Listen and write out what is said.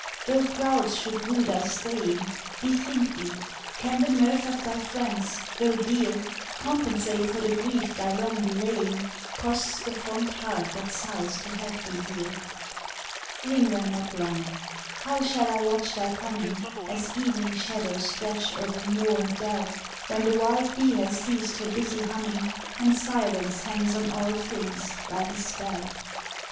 Though crowds should woo thy staying, Bethink thee, can the mirth of thy friends, though dear, Compensate for the grief thy long delaying Costs the fond heart that sighs to have thee here? Linger not long. How shall I watch thy coming, As evening shadows stretch o'er moor and dell; When the wild bee hath ceased her busy humming, And silence hangs on all things like a spell!